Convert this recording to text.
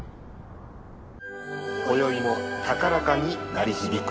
こよいも高らかに鳴り響く。